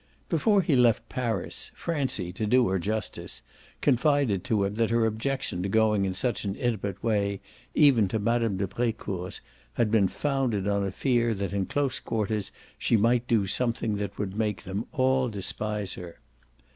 Before he left Paris Francie, to do her justice, confided to him that her objection to going in such an intimate way even to Mme. de Brecourt's had been founded on a fear that in close quarters she might do something that would make them all despise her.